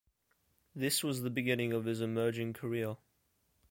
This was the beginning of his emerging career.